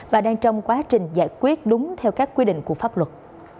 và đang trong quá trình giải quyết đúng theo các quy định của pháp luật